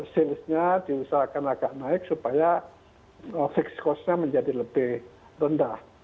salesnya diusahakan agak naik supaya fixed cost nya menjadi lebih rendah